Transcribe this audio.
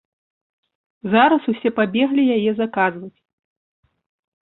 Зараз усе пабеглі яе заказваць.